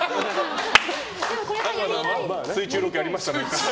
水中ロケ、やりました？